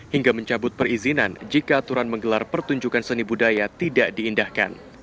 hingga mencabut perizinan jika aturan menggelar pertunjukan seni budaya tidak diindahkan